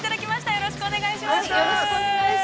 ◆よろしくお願いします。